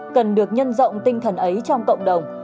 cần được nhân rộng tinh thần ấy trong cộng đồng